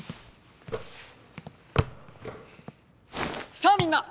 さあみんな！